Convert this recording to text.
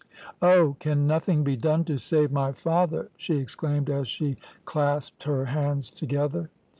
"`Oh! can nothing be done to save my father?' she exclaimed, as she clasped her hands together.